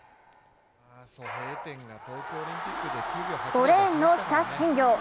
５レーンの謝震業。